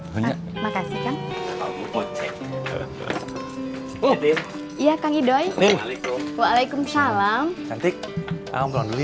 lagi kum kenapa sih ini